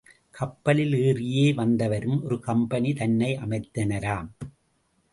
கப்பலில் ஏறியே வந்தவரும் ஒரு கம்பெனி தன்னை அமைத்தனராம்.